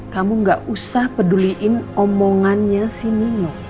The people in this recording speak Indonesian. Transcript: kamu gak usah peduliin omongannya si nenek